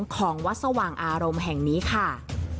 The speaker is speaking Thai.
ของวัดสว่างอารมณ์แห่งนี้ค่ะ